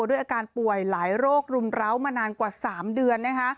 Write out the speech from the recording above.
ด้วยอาการป่วยหลายโรครุมร้าวมานานกว่า๓เดือน